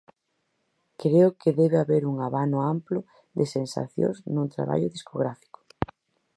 Creo que debe haber un abano amplo de sensacións nun traballo discográfico.